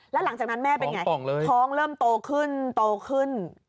แล้วหลังจากนั้นแม่เป็นไงท้องเริ่มโตขึ้นโตขึ้น